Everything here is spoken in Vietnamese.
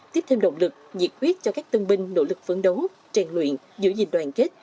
tiếp thêm động lực diệt quyết cho các tương binh nỗ lực phấn đấu tràn luyện giữ gìn đoàn kết